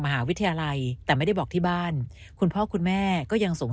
มหาวิทยาลัยแต่ไม่ได้บอกที่บ้านคุณพ่อคุณแม่ก็ยังส่ง